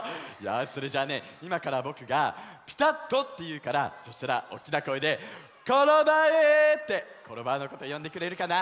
それじゃあねいまからぼくが「ぴたっと」っていうからそしたらおっきなこえで「コロバウ！」ってコロバウのことよんでくれるかな？